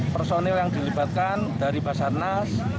personil yang dilibatkan dari basarnas